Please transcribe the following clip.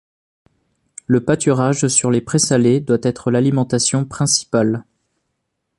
Le pâturage sur les prés salés doit être l'alimentation principale.